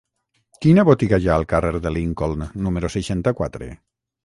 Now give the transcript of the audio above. Quina botiga hi ha al carrer de Lincoln número seixanta-quatre?